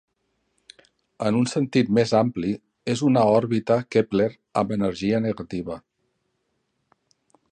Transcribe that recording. En un sentit més ampli, és una òrbita Kepler amb energia negativa.